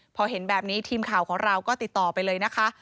พอเห็นแบบนี้ทีมข่าวของเราก็ติดต่อไปเลยนะคะ